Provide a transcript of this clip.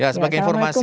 ya sebagai informasi